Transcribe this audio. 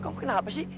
kamu kenapa sih